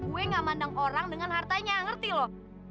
gue nggak mandang orang dengan hartanya ngerti elu